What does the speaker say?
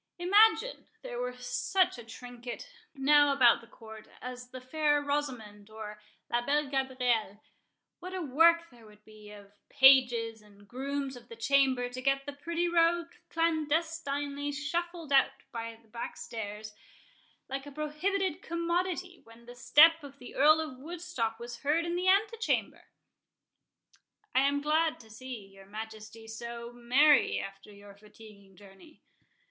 —Imagine there were such a trinket now about the Court as the Fair Rosamond, or La Belle Gabrielle, what a work there would be of pages, and grooms of the chamber, to get the pretty rogue clandestinely shuffled out by the backstairs, like a prohibited commodity, when the step of the Earl of Woodstock was heard in the antechamber!" "I am glad to see your Majesty so—merry after your fatiguing journey."